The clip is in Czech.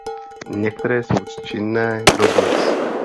Některé jsou činné dodnes.